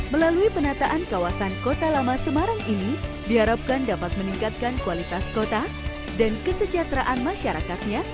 melalui penataan kawasan kota lama semarang ini diharapkan dapat meningkatkan kualitas kota dan kesejahteraan masyarakatnya